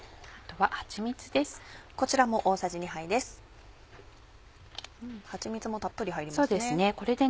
はちみつもたっぷり入りますね。